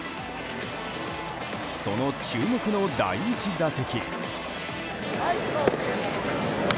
その注目の第１打席。